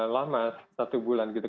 lama satu bulan gitu